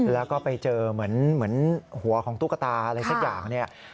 แล้วก็ไปเจอเหมือนหัวของตุ๊กตาอะไรสักอย่างเนี่ย